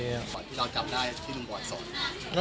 ที่เราจับได้ที่ลุงบ่อยสอน